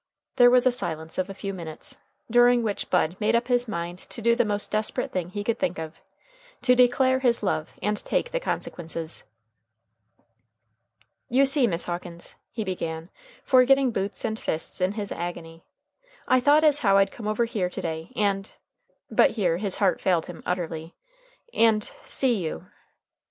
There was a silence of a few minutes, during which Bud made up his mind to do the most desperate thing he could think of to declare his love and take the consequences. "You see, Miss Hawkins," he began, forgetting boots and fists in his agony, "I thought as how I'd come over here to day, and" but here his heart failed him utterly "and see you."